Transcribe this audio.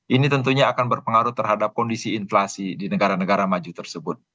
ini tentunya akan berpengaruh terhadap kondisi inflasi di negara negara maju tersebut